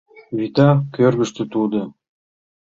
— Вӱта кӧргыштӧ тудо.